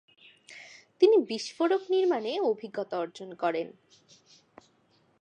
তিনি বিস্ফোরক নির্মাণে অভিজ্ঞতা অর্জন করেন।